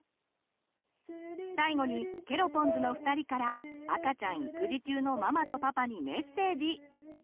最後にケロポンズの２人から赤ちゃん育児中のママとパパにメッセージ！